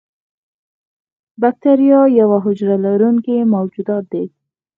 بکتیریا یوه حجره لرونکي موجودات دي.